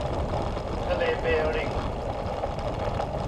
ทะเลเบริง